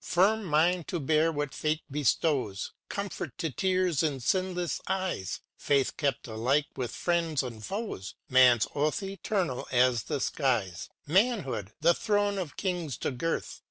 Firm mind to bear what fate bestows; Comfort to tears in sinless eyes; Faith kept alike with friends and foes; Man's oath eternal as the skies; Manhood, â the thrones of Kings to girth.